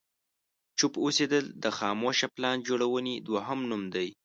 چوپ اوسېدل د خاموشه پلان جوړونې دوهم نوم دی.